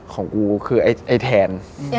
ของกูคือไอ้แทน